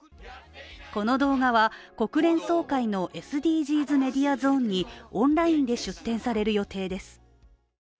この動画は国連総会のＳＤＧｓメディアゾーンにオンラインで出展される予定です。